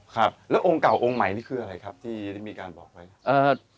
ครับแล้วองค์เก่าองค์ใหม่นี่คืออะไรครับที่ได้มีการบอกไว้ครับ